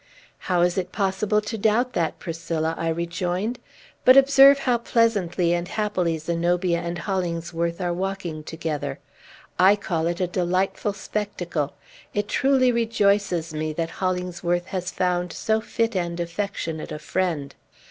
"How is it possible to doubt that, Priscilla?" I rejoined. "But observe how pleasantly and happily Zenobia and Hollingsworth are walking together. I call it a delightful spectacle. It truly rejoices me that Hollingsworth has found so fit and affectionate a friend!